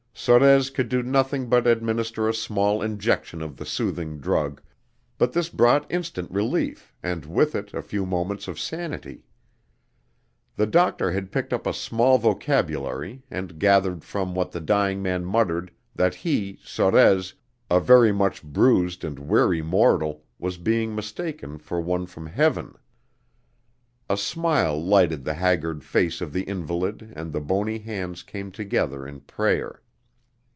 Sorez could do nothing but administer a small injection of the soothing drug, but this brought instant relief and with it a few moments of sanity. The doctor had picked up a small vocabulary and gathered from what the dying man muttered that he, Sorez, a very much bruised and weary mortal, was being mistaken for one from heaven. A smile lighted the haggard face of the invalid and the bony hands came together in prayer.